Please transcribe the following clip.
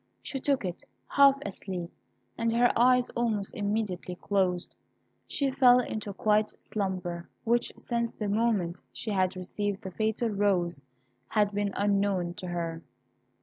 She took it, half asleep, and her eyes almost immediately closed. She fell into a quiet slumber, which since the moment she had received the fatal rose had been unknown to her.